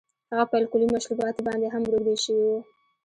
هغه په الکولي مشروباتو باندې هم روږدی شوی و